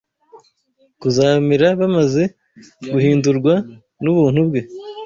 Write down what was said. kuzamera bamaze guhindurwa n’ubuntu bwe